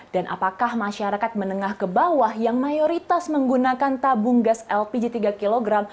dan apakah masyarakat menengah ke bawah yang mayoritas menggunakan tabung gas lpg tiga kg